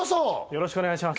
よろしくお願いします